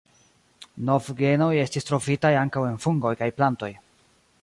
Novgenoj estis trovitaj ankaŭ en fungoj kaj plantoj.